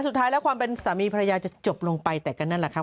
สุดท้ายแล้วความเป็นสามีภรรยาจะจบลงไปแต่ก็นั่นแหละครับ